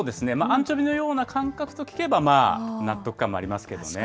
アンチョビのような感覚と聞けば、納得感もありますけどね。